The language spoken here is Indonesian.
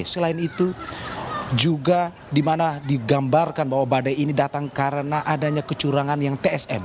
selain itu juga di mana digambarkan bahwa badai ini datang karena adanya kecurangan yang tsm